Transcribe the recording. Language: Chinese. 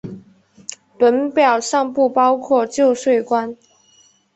本表尚不包括旧税关。